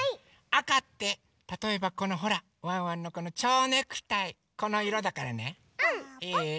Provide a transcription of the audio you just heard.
あかってたとえばこのほらワンワンのこのちょうネクタイこのいろだからね。いい？